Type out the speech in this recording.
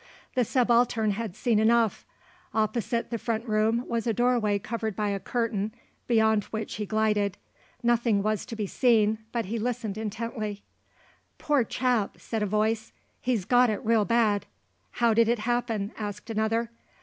The Subaltern had seen enough. Opposite the front room was a doorway covered by a curtain, behind which he glided. Nothing was to be seen, but he listened intently. "Poor chap," said a voice, "he's got it real bad." "How did it happen?" asked another.